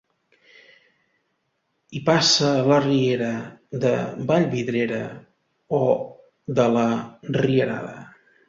Hi passa la riera de Vallvidrera o de la Rierada.